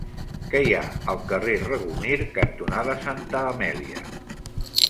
Què hi ha al carrer Regomir cantonada Santa Amèlia?